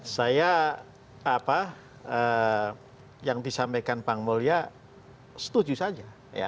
saya apa yang disampaikan bang mulya setuju saja